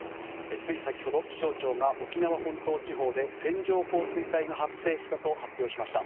つい先ほど気象庁が沖縄本島地方で線状降水帯が発生したと発表しました。